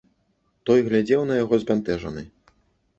Той глядзеў на яго збянтэжаны.